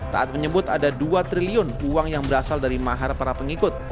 taat menyebut ada dua triliun uang yang berasal dari mahar para pengikut